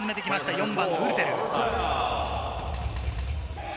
４番のウルテル。